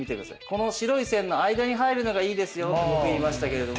この白い線の間に入るのがいいですよって僕言いましたけれども。